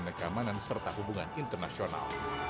pemerintahan dan keamanan serta hubungan internasional